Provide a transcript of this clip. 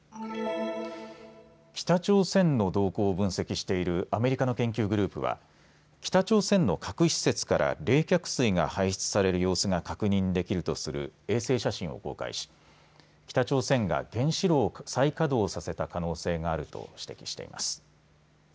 北朝鮮の動向を分析しているアメリカの研究グループは北朝鮮の核施設から冷却水が排出される様子が確認できるとする衛星写真を公開し北朝鮮が原子炉を再稼働させた可能性があると指摘しています。